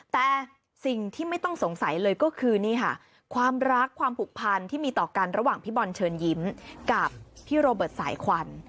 แต่สิ่งที่ไม่ต้องสงสัยเลยก็คือนี่ค่ะความรักความผูกพันที่มีต่อกันระหว่างพี่บอลเชิญยิ้มกับพี่โรเบิร์ตสายควัน